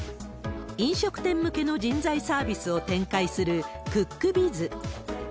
飲食店向けの人材サービスを展開するクックビズ。